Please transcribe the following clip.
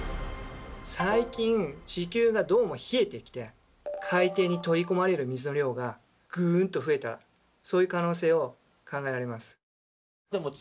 最近地球がどうも冷えてきて海底に取りこまれる水の量がぐんと増えたそういう可能性を考えられます。